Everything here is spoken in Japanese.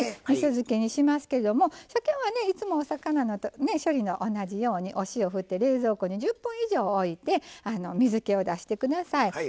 みそ漬けにしますけれどもさけはねいつもお魚の処理の同じようにお塩ふって冷蔵庫に１０分以上おいて水けを出して下さい。